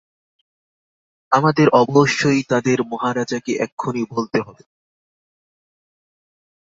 আমদের অবশ্যই তাদের মহারাজকে এক্ষুণি বলতে হবে।